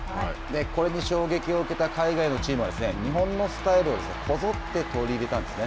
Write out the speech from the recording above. これに衝撃を受けた海外のチームは日本のスタイルをこぞって取り入れたんですね。